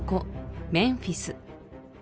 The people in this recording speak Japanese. メンフィス